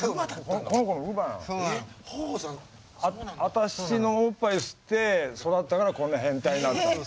私のおっぱいを吸って育ったからこんな変態になったの。